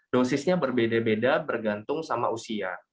dosisnya berbeda beda bergantung sama usia